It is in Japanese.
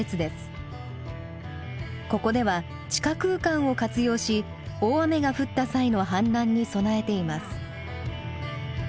ここでは地下空間を活用し大雨が降った際の氾濫に備えています。